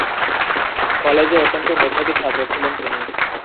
কলেজে অত্যন্ত মেধাবী ছাত্র ছিলেন তিনি।